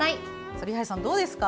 反橋さん、どうですか。